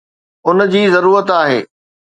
ان جي ضرورت آهي؟